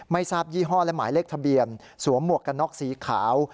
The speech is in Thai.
ไม่ทราบยี่ห้อและหมายเลขทะเบียนสวมหมวกกันน็อกสีขาว